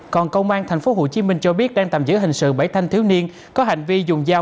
còn công an tp hcm cho biết đang tạm giữ hình sự bảy thanh thiếu niên có hành vi dùng dao